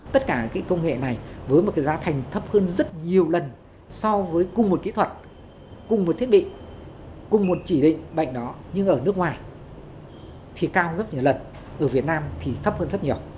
tất cả cái công nghệ này với một cái giá thành thấp hơn rất nhiều lần so với cùng một kỹ thuật cùng một thiết bị cùng một chỉ định bệnh đó nhưng ở nước ngoài thì cao gấp nhiều lần ở việt nam thì thấp hơn rất nhiều